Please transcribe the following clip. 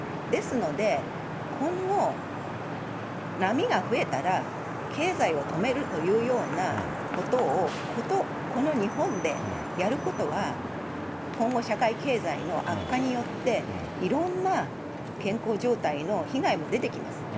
ですので、今後、波が増えたら、経済を止めるというようなことをこの日本でやることは、今後、社会経済の悪化によって、いろんな健康状態の被害も出てきます。